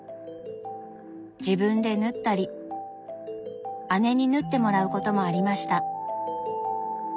自分で縫ったり姉に縫ってもらうこともありました。